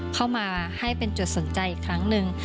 เข้ามาให้เป็นจุดสนใจอีกครั้งหนึ่ง